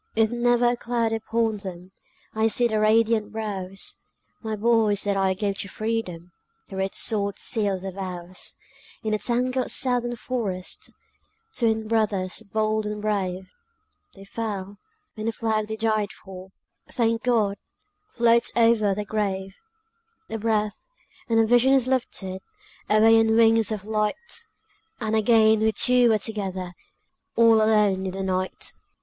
With never a cloud upon them, I see their radiant brows; My boys that I gave to freedom, The red sword sealed their vows! In a tangled Southern forest, Twin brothers bold and brave, They fell; and the flag they died for, Thank God! floats over their grave. A breath, and the vision is lifted Away on wings of light, And again we two are together, All alone in the night.